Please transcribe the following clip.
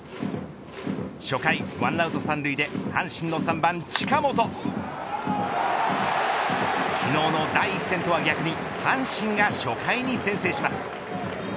初回、１アウト３塁で阪神の３番、近本昨日の第一戦とは逆に阪神が初回に先制します。